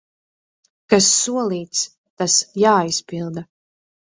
Kas solīts, tas jāizpilda.